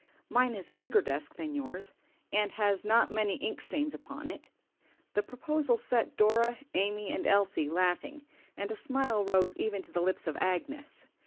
Mine is a bigger desk than yours, and has not many ink stains upon it." The proposal set Dora, Amy, and Elsie laughing, and a smile rose even to the lips of Agnes.